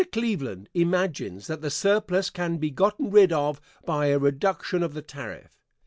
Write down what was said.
Cleveland imagines that the surplus can be gotten rid of by a reduction of the tariff.